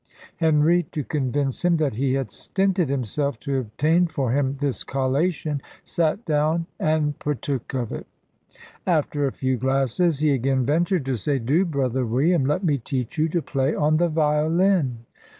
Henry, to convince him that he had stinted himself to obtain for him this collation, sat down and partook of it. After a few glasses, he again ventured to say, "Do, brother William, let me teach you to play on the violin."